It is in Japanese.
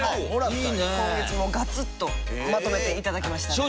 今月もガツッとまとめていただきましたので。